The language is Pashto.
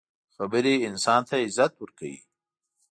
خبرو انسان ته عزت ورکوي.